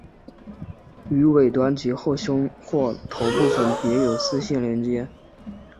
于尾端及后胸或头部分别有丝线连结。